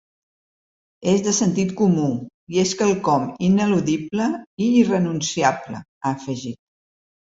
És de sentit comú i és quelcom ineludible i irrenunciable, ha afegit.